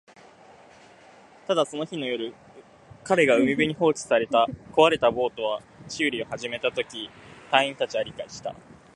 ただ、その日の夜、彼が海辺に放置された壊れたボートの修理を始めたとき、隊員達は理解した